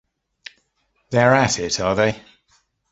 They are at it, are they?